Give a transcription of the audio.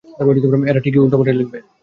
এরা ঠিকই উল্টোপাল্টা লিখবে।